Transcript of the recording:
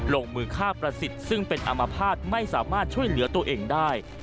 ลงมือฆ่าประสิทธิ์ซึ่งเป็นอามภาษณ์ไม่สามารถช่วยเหลือตัวเองได้